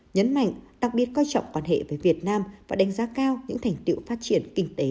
nhấn mạnh đặc biệt coi trọng quan hệ với việt nam và đánh giá cao những thành tiệu phát triển kinh tế